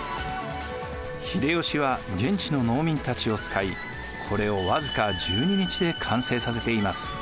秀吉は現地の農民たちを使いこれを僅か１２日で完成させています。